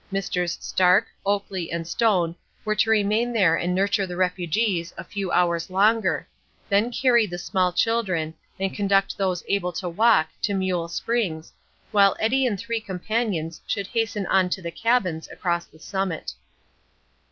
Messrs. Stark, Oakley, and Stone were to remain there and nurture the refugees a few hours longer, then carry the small children, and conduct those able to walk to Mule Springs, while Eddy and three companions should hasten on to the cabins across the summit.